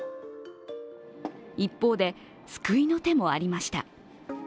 一方で、救いの手もありました。